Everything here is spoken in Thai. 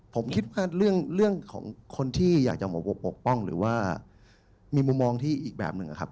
ผมคิดว่าเรื่องของคนที่อยากจะปกป้องหรือว่ามีมุมมองที่อีกแบบหนึ่งนะครับ